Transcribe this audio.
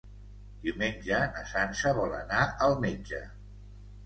Diumenge na Sança vol anar al metge.